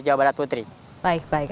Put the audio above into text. jawa barat putri baik baik